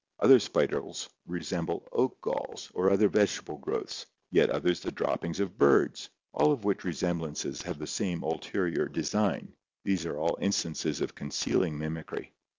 Other spiders resemble oak galls or other vegetable growths, yet others the droppings of birds, all of which resemblances have the same ulterior design. These are all instances of concealing mimicry.